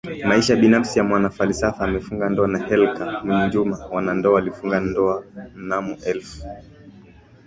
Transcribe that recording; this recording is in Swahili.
Maisha binafsi ya MwanaFalsafa amefunga ndoa na Helga Mwinjuma Wanandoa walifunga ndoa mnamo elfu